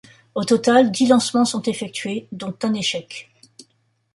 Au total, dix lancements sont effectués, dont un échec.